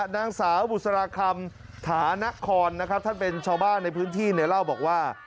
นางสาวบุษรคัมถานัคคลท่านเฉาบ้านในพื้นที่เล่าบอกว่า